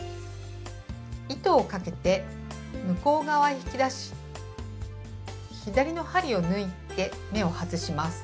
糸をかけて向こう側へ引き出し左の針を抜いて目を外します。